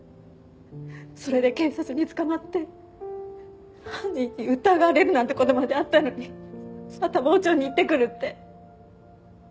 それで警察に捕まって犯人に疑われるなんて事まであったのにまた傍聴に行ってくるって。